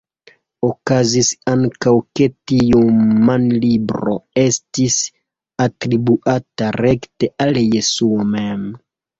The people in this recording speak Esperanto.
Okazis ankaŭ ke tiu manlibro estis atribuata rekte al Jesuo mem.